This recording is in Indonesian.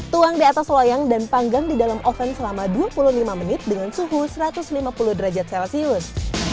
tuang di atas loyang dan panggang di dalam oven selama dua puluh lima menit dengan suhu satu ratus lima puluh derajat celcius